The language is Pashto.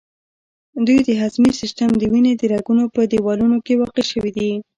دوی د هضمي سیستم، د وینې د رګونو په دیوالونو کې واقع شوي دي.